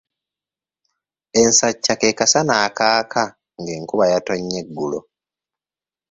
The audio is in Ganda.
Ensakkya ke kasana akaaka ng’enkuba yatonnye eggulo.